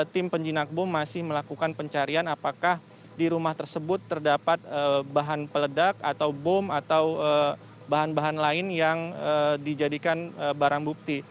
tim penjinak bom masih melakukan pencarian apakah di rumah tersebut terdapat bahan peledak atau bom atau bahan bahan lain yang dijadikan barang bukti